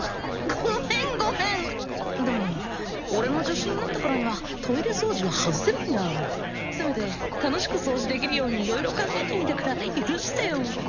ごめんごめんでも俺の助手になったからにはトイレ掃除は外せないんだせめて楽しく掃除できるように色々考えてみたから許してよ